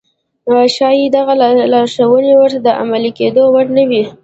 ښايي دغه لارښوونې ورته د عملي کېدو وړ نه وي.